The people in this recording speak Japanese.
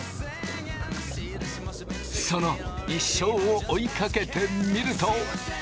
その一生を追いかけてみると。